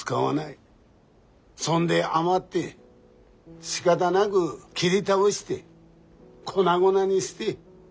そんで余ってしかだなぐ切り倒して粉々にして。